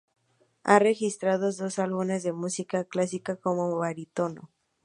Ha registrados dos álbumes de música clásica como barítono.